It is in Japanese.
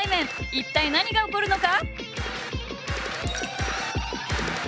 一体何が起こるのか？